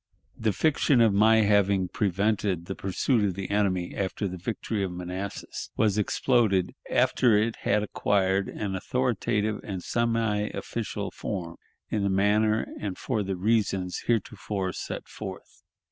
The fiction of my having prevented the pursuit of the enemy after the victory of Manassas was exploded after it had acquired an authoritative and semi official form in the manner and for the reasons heretofore set forth.